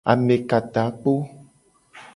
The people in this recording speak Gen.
Amekatakpo.